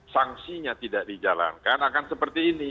sanksinya tidak dijalankan akan seperti ini